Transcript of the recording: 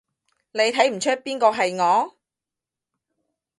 你睇唔岀邊個係我？